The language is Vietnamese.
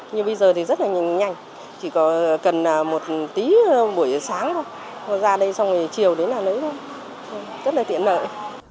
nhưng bây giờ thì rất là nhanh chỉ cần một tí buổi sáng thôi ra đây xong rồi chiều đến là lấy thôi rất là tiện lợi